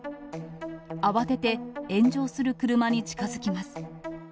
慌てて炎上する車に近づきます。